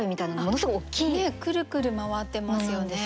ねえくるくる回ってますよね。